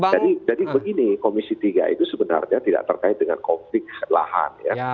jadi begini komisi tiga itu sebenarnya tidak terkait dengan konflik lahan ya